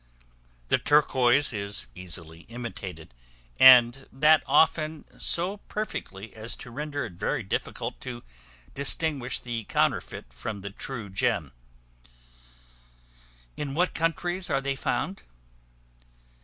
The turquois is easily imitated, and that often so perfectly as to render it very difficult to distinguish the counterfeit from the true gem. In what countries are they found?